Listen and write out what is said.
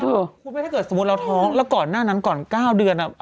คุณแม่ถ้าเกิดสมมุติเราท้องแล้วก่อนหน้านั้นก่อน๙เดือน